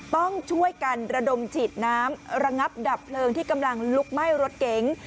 ต้องช่วยกันระดมฉีดน้ำระงับดับเพลิงที่กำลังลุกไหม้รถเก๋ง